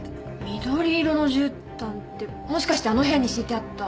緑色のじゅうたんってもしかしてあの部屋に敷いてあった？